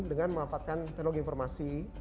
dengan memanfaatkan teknologi informasi